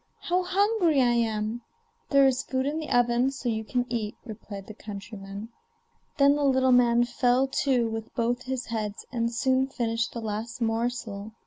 how hungry I am!' 'There is food in the oven, so you can eat,' replied the countryman. Then the little man fell to with both his heads, and soon finished the last morsel.